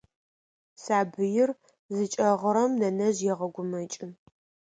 Сабыир зыкӏэгъырэм нэнэжъ егъэгумэкӏы.